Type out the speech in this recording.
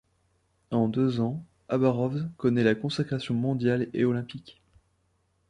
En deux ans, Habārovs connaît la consécration mondiale et olympique.